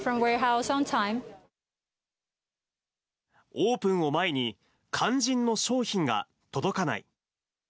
オープンを前に、肝心の商品が届かない。